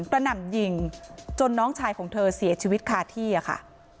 หน่ำยิงจนน้องชายของเธอเสียชีวิตคาที่ค่ะ